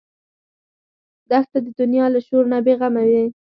دښته د دنیا له شور نه بېغمه ده.